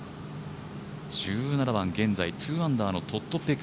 １７番、現在２アンダーのトッド・ペク